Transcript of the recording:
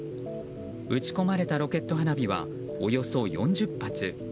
打ち込まれたロケット花火はおよそ４０発。